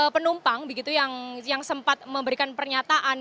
penumpang begitu yang sempat memberikan pernyataan